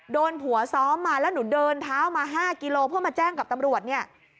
โดนผัวซ้อมมาแล้วหนูเดินเท้ามา๕กิโลเพื่อมาแจ้งกับตำรวจเนี่ย